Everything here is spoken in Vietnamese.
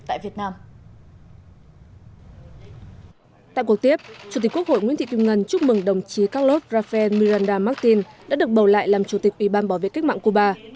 tại cuộc tiếp chủ tịch quốc hội nguyễn thị kim ngân chúc mừng đồng chí carlos rafael miranda martin đã được bầu lại làm chủ tịch ủy ban bảo vệ cách mạng cuba